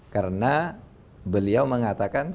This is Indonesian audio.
karena beliau mengatakan